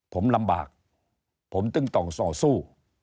ผมลำบากผมจึงต้องต่อสู้